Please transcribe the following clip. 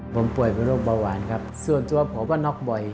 ผมป่วยเป็นโรคเบาหวานครับส่วนตัวผมว่าน็อกบ่อย